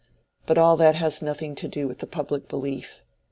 But all that has nothing to do with the public belief.